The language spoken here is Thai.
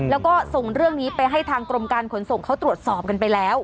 แล้วก็ส่งเรื่องนี้ไปให้ทางกรมการขนส่งเขาตรวจสอบกันไปแล้ว